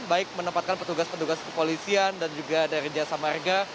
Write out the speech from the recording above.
baik menempatkan petugas petugas kepolisian dan juga dari jasa marga